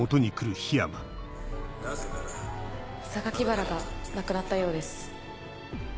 原が亡くなったようです。